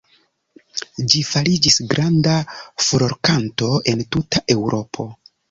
Ĝi fariĝis granda furorkanto en tuta Eŭropo.